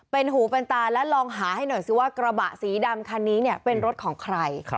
เป็นหูเป็นตาและลองหาให้หน่อยสิว่ากระบะสีดำคันนี้เนี่ยเป็นรถของใคร